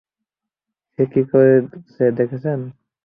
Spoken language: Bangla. সে কি করেছে দেখেছেন?